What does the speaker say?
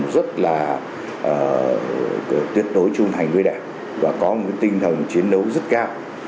rất là tuyệt đối trung thành với đảng và có một tinh thần chiến đấu rất cao